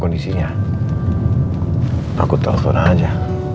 kondisinya aku telfon aja